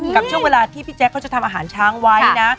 กับช่วงเวลาที่พี่แจ๊คเขาจะทำอาหารช้างไว้นะ